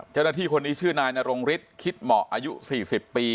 เจ้าหน้าที่คนนี้ชื่อนายนรงฤทธิคิดเหมาะอายุ๔๐ปี